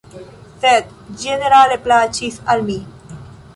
Sed ĝenerale plaĉis al mi.